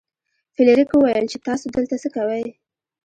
فلیریک وویل چې تاسو دلته څه کوئ.